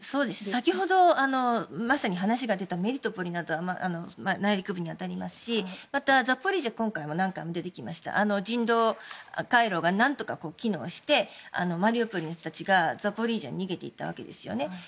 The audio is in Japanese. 先ほど、まさに話が出たメリトポリなどは内陸部に当たりますしまた、ザポリージャは人道回廊が何とか機能してマリウポリの人たちがザポリージャに逃げていったわけですよね。